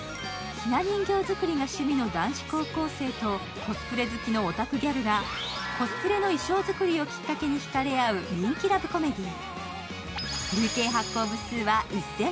ひな人形作りが趣味の男子高校生とコスプレ好きのオタクギャルがコスプレの衣装作りをきっかけに引かれ合う人気ラブコメディー。